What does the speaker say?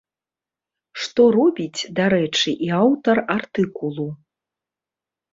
Што робіць, дарэчы, і аўтар артыкулу.